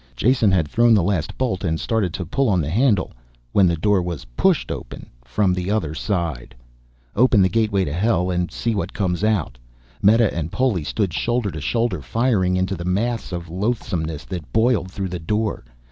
Jason had thrown the last bolt and started to pull on the handle when the door was pushed open from the other side. Open the gateway to hell and see what comes out. Meta and Poli stood shoulder to shoulder firing into the mass of loathsomeness that boiled through the door.